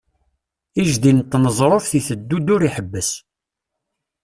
Ijdi n tneẓruft iteddu-d ur iḥebbes.